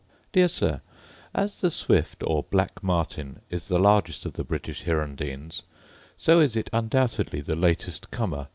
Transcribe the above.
Dear Sir, As the swift or black martin is the largest of the British hirundines, so is it undoubtedly the latest comer.